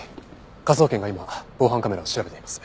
科捜研が今防犯カメラを調べています。